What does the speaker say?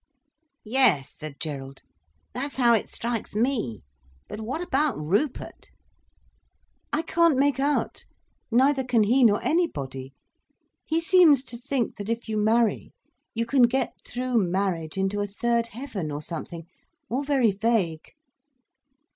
"Yes," said Gerald. "That's how it strikes me. But what about Rupert?" "I can't make out—neither can he nor anybody. He seems to think that if you marry you can get through marriage into a third heaven, or something—all very vague."